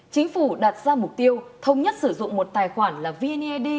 chính phủ đặt ra mục tiêu thông nhất sử dụng một tài khoản là vned